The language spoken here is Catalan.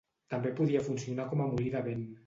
També podia funcionar com a molí de vent.